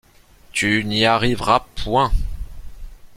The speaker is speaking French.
Tu N’Y Arriveras Point.